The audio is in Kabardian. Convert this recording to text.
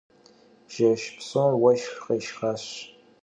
Jjeş psom vueşşx khêşşxaş.